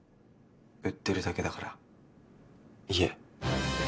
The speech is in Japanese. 売ってるだけだから家。